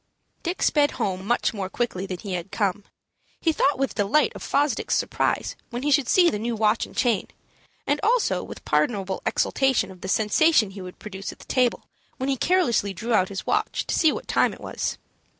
Dick sped home much more quickly than he had come. He thought with delight of Fosdick's surprise when he should see the new watch and chain, and also with pardonable exultation of the sensation he would produce at the table when he carelessly drew out his watch to see what time it was.